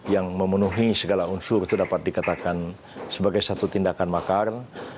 yang memenuhi segala unsur itu dapat dikatakan sebagai satu tindakan makar